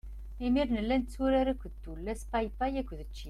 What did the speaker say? Imir-n nella netturar akked tullas paypay akked ččir.